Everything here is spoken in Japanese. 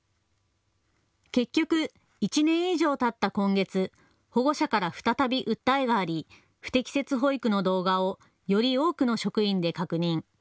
結局、１年以上たった今月、保護者から再び訴えがあり不適切保育の動画をより多くの職員で確認。